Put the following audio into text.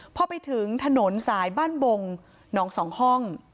พอไปถึงถนนสายบ้านบงหนองสองห้อง